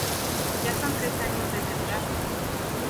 Ya son tres años de desgaste.